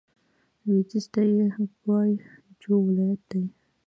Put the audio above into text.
لوېدیځ ته یې ګوای جو ولايت دی.